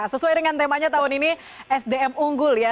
sesuai dengan temanya tahun ini sdm unggul ya